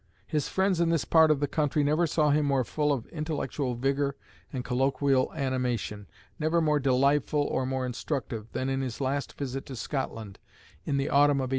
His friends in this part of the country never saw him more full of intellectual vigour and colloquial animation, never more delightful or more instructive, than in his last visit to Scotland in the autumn of 1817.